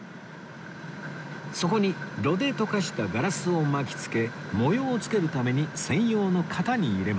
そこに炉で溶かしたガラスを巻き付け模様を付けるために専用の型に入れます